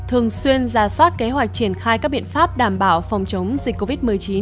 thường xuyên ra soát kế hoạch triển khai các biện pháp đảm bảo phòng chống dịch covid một mươi chín